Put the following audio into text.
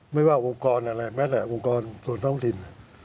ไม่ว่าองค์กรอะไรแม้แต่องค์กรส่วนท้องถิ่น